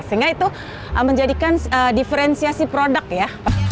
sehingga itu menjadikan diferensiasi produk ya